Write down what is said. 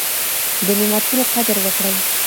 د نعمتونو قدر وکړئ.